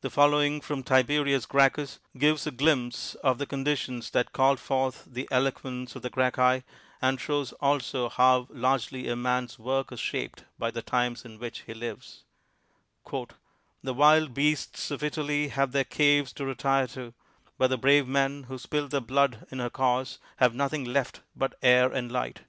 The following from Tiberius Gracchus gives a glimpse of the conditions that called forth the eloquence of the Gracchi and shows also how largely a man's work is shaped by the times in which he lives: "The wild beasts of Italy have their caves to retire to, but the brave men who spill their blood in her cause, have nothing left but air and light.